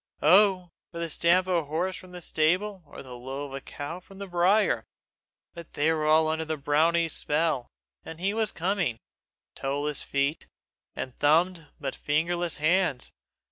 Oh! for the stamp of a horse from the stable or the low of a cow from the byre! But they were all under the brownie's spell, and he was coming toeless feet, and thumbed but fingerless hands!